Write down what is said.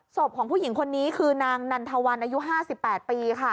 ศพของผู้หญิงคนนี้คือนางนันทวันอายุ๕๘ปีค่ะ